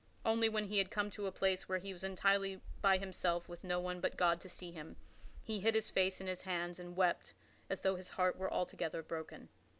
Only when he had come to a place where he was entirely by himself with no one but God to see him, he hid his face in his hands and wept as though his heart were altogether broken.